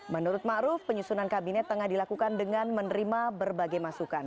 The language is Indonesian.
menurut ma'ruf penyusunan kabinet tengah dilakukan dengan menerima berbagai masukan